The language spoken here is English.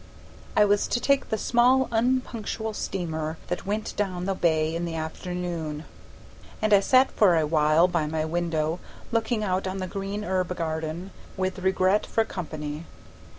I was to take the small unpunctual steamer that went down the bay in the afternoon, and I sat for a while by my window looking out on the green herb garden, with regret for company.